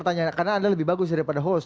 karena anda lebih bagus daripada host